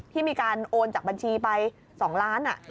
ที่มีการโอนจากบัญชีไป๒ล้าน